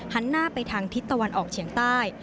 หันหน้าไปทางทิศตะวันออกเฉียงใต้